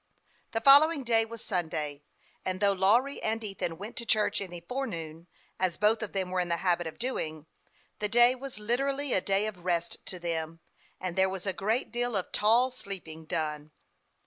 The following day was Sunday ; and though Lawry and Ethan went to church in the forenoon, as both of them were in the habit of doing, the day was literally a day of rest to them, and there was a great deal of "tall sleeping" done.